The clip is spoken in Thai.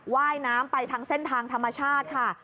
ว่ายน้ำไปทางเส้นทางธรรมชาติค่ะ